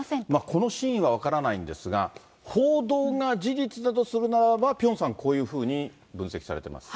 この真意は分からないんですが、報道が事実だとするならば、ピョンさん、こういうふうに分析されています。